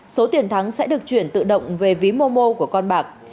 số tiền thắng sẽ được chuyển tự động về ví mô mô của con bạc